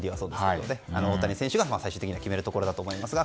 大谷選手が最終的に決めることだと思いますが